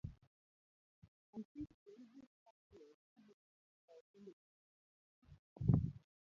Mancity en grup mara ariyo bang' Liverpool kawo okombe mar duong'